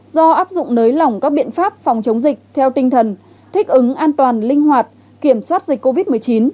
do áp dụng nới lỏng các biện pháp phòng chống dịch theo tinh thần thích ứng an toàn linh hoạt kiểm soát dịch covid một mươi chín